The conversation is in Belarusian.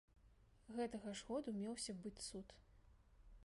Гэтага ж году меўся быць цуд.